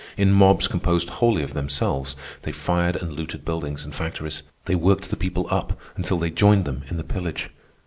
In mobs composed wholly of themselves, they fired and looted buildings and factories. They worked the people up until they joined them in the pillage.